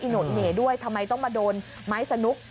โหนดเหน่ด้วยทำไมต้องมาโดนไม้สนุก